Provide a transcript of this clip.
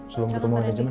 selama ketemu manajemen